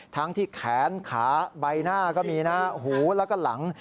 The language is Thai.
ทั้งที่แขนขาใบหน้าก็มีนะหูแล้วก็หลัง